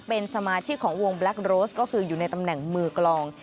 เป็นสมาชิกของวงแบล็คโรสก็คืออยู่ในตำแหน่งมือกลอง